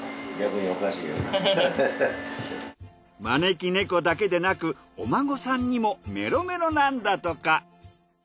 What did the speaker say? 招き猫だけでなくお孫さんにもメロメロなんだとか。